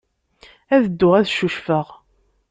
Ad dduɣ ad ccucfeɣ.